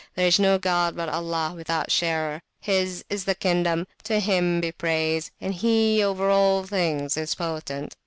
There is no god but Allah, without Sharer; His is the Kingdom, to Him be Praise, and He over all Things is potent.